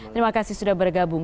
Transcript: terima kasih sudah bergabung